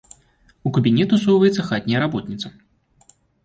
У кабінет усоўваецца хатняя работніца.